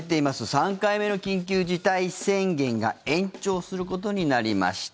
３回目の緊急事態宣言が延長することになりました。